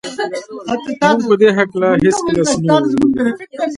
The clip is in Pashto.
موږ په دې هکله هېڅکله څه نه وو اورېدلي